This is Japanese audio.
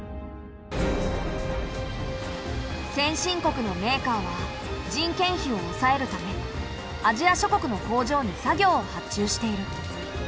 先進国のメーカーは人件費をおさえるためアジア諸国の工場に作業を発注している。